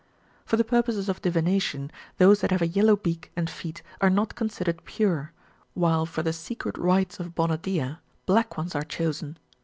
For the purposes of divi nation, those that have a yellow beak and feet are not considered pure ; while for the secret rites of Bona Dea, black ones are chosen.